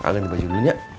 ganti baju dulu nya